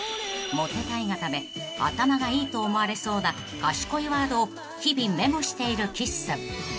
［モテたいがため頭がいいと思われそうな賢いワードを日々メモしている岸さん］